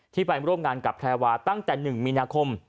ไปร่วมงานกับแพรวาตั้งแต่๑มีนาคม